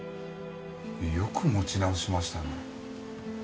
よく持ち直しましたね。